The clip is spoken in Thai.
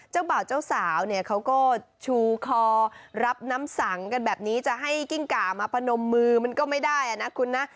เจ้าบ่าวเจ้าสาวเนี่ยเขาก็ชูคอรับน้ำสังกันแบบนี้จะให้กิ้งก่ามาพนมมือมันก็ไม่ได้นะคุณนะ